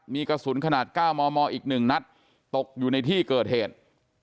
มีกระสุนขนาด๙มมอีก๑นัดตกอยู่ในที่เกิดเหตุ